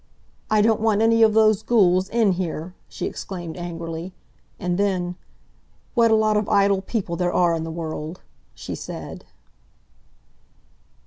"I don't want any of those ghouls in here!" she exclaimed angrily. And then, "What a lot of idle people there are in the world!" she said.